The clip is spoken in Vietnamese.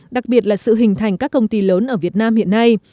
đặc biệt là sự hình thành các công ty lớn ở việt nam hiện nay